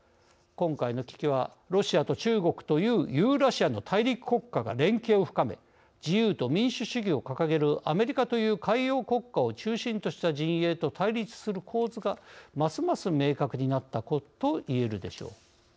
今回の危機はロシアと中国というユーラシアの大陸国家が連携を深め自由と民主主義を掲げるアメリカという海洋国家を中心とした陣営と対立する構図がますます明確になったといえるでしょう。